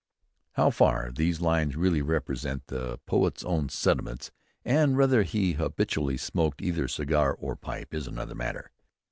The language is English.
_ How far these lines really represent the poet's own sentiments, and whether he habitually smoked either cigar or pipe, is another matter.